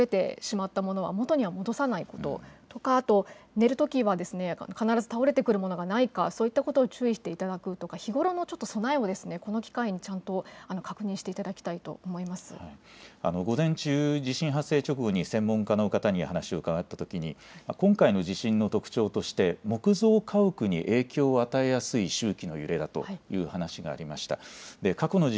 ですので、今回の地震で倒れてしまったものは元には戻さないこと、寝るときは必ず倒れてくるものがないか、そういったことを注意していただくとか、日頃のちょっと備えをこの機会にちゃんと確認し午前中、地震発生直後に専門家の方に話を伺ったときに、今回の地震の特徴として、木造家屋に影響を与えやすい周期の揺れだという話がありました。